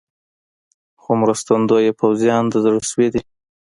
خو مرستندویه پوځیان د زړه سوي دي.